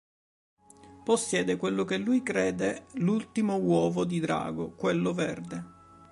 Possiede quello che lui crede l'ultimo uovo di drago, quello verde.